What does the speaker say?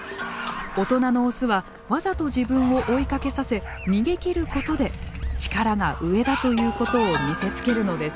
大人のオスはわざと自分を追いかけさせ逃げきることで力が上だということを見せつけるのです。